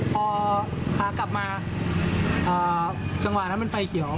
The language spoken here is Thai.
พอขากลับมาจังหวะนั้นมันไฟเขียว